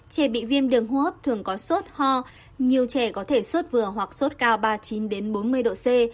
trẻ bị viêm đường hô hấp thường có sốt ho nhiều trẻ có thể suốt vừa hoặc sốt cao ba mươi chín bốn mươi độ c